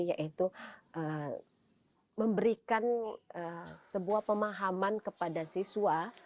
yaitu memberikan sebuah pemahaman kepada siswa